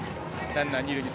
ランナーは二塁へ。